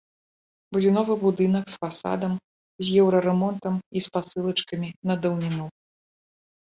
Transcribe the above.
Будзе новы будынак з фасадам, з еўрарэмонтам і спасылачкамі на даўніну.